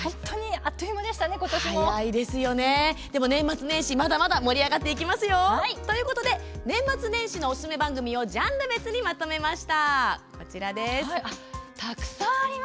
あっという間ですがきょうも盛り上がっていきますよ。ということで年末年始のおすすめ番組をジャンル別にまとめました！